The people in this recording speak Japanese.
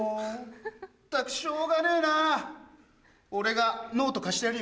ったくしょうがねえな俺が。